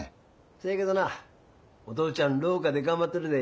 せやけどなお父ちゃん廊下で頑張ってるで。